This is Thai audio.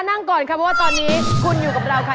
นั่งก่อนค่ะเพราะว่าตอนนี้คุณอยู่กับเราค่ะ